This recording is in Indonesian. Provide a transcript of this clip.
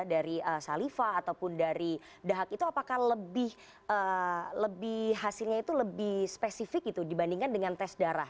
dari salifa ataupun dari dahak itu apakah hasilnya itu lebih spesifik gitu dibandingkan dengan tes darah